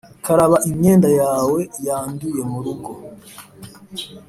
karaba imyenda yawe yanduye murugo.